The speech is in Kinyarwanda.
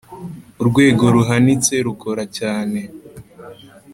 Urwego ruhanitse rukora cyane.